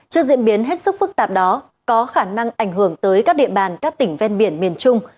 trước diễn biến hết sức phức tạp đó có khả năng ảnh hưởng tới các địa bàn các tỉnh ven biển miền trung